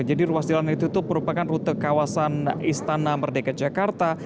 jadi ruas jalan yang ditutup merupakan rute kawasan istana merdeka jakarta